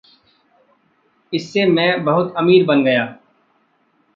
इससे में बहुत अमीर बन गया।